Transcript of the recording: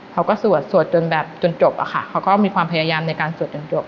เขาก็สวดสวดจนจบเขาก็มีความพยายามสวดจนจบ